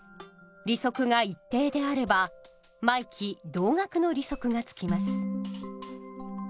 利息が一定であれば毎期同額の利息が付きます。